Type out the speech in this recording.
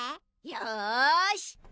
よし。